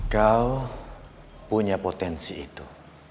kau punya potensi itu